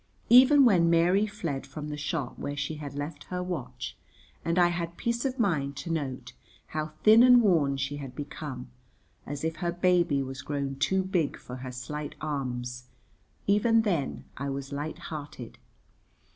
Even when Mary fled from the shop where she had left her watch, and I had peace of mind to note how thin and worn she had become, as if her baby was grown too big for her slight arms, even then I was light hearted.